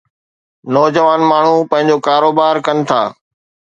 نوجوان ماڻهو پنهنجو ڪاروبار ڪن ٿا